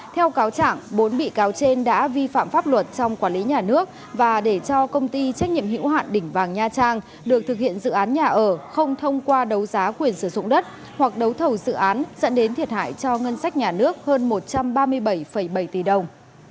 theo cáo trạng bốn bị cáo trên đã vi phạm pháp luật trong quản lý nhà nước và để cho công ty trách nhiệm hữu hạn đỉnh vàng nha trang được thực hiện dự án nhà ở không thông qua đấu giá quyền sử dụng đất hoặc đấu thầu dự án dẫn đến thiệt hại cho ngân sách nhà nước hơn một trăm ba mươi bảy bảy tỷ đồng